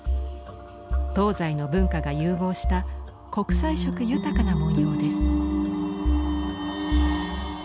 東西の文化が融合した国際色豊かな文様です。